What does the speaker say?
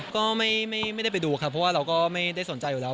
ก็ไม่ได้ไปดูครับเพราะว่าเราก็ไม่ได้สนใจอยู่แล้ว